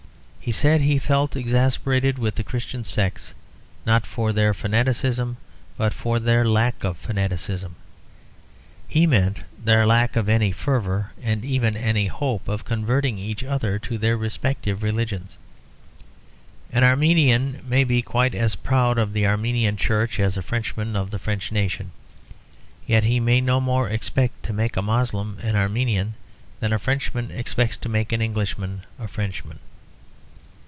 He said he felt exasperated with the Christian sects, not for their fanaticism but for their lack of fanaticism. He meant their lack of any fervour and even of any hope, of converting each other to their respective religions. An Armenian may be quite as proud of the Armenian Church as a Frenchman of the French nation, yet he may no more expect to make a Moslem an Armenian than the Frenchman expects to make an Englishman a Frenchman.